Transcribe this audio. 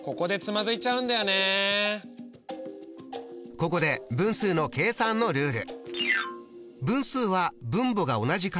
ここで分数の計算のルール。